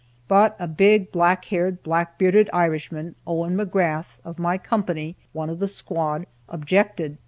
But a big, black haired, black bearded Irishman, Owen McGrath of my company, one of the squad, objected.